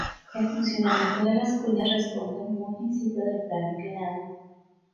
El funcionamiento de las cuñas responden al mismo principio del plano inclinado.